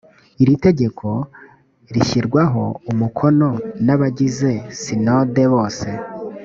iri tegeko rishyirwaho umokono n’abagize sinode bose